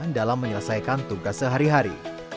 dalam menyelesaikan tugas sehari hari